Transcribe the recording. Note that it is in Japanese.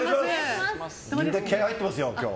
気合入ってますよ、今日。